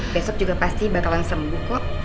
besok juga pasti bakalan sembuh kok